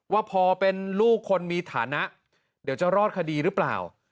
ว่าพอเป็นลูกคนมีฐานะเดี๋ยวจะรอดคดีหรือเปล่า